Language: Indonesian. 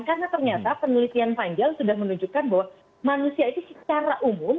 karena ternyata penelitian panjal sudah menunjukkan bahwa manusia itu secara umum